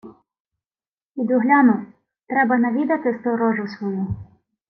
— Піду гляну... Треба навідати сторожу свою.